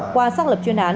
qua xác lập chuyên án